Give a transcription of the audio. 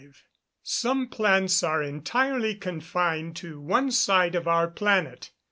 Some plants are entirely confined to one side of our planet.